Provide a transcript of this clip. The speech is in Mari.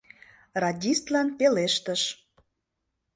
Радистлан пелештыш: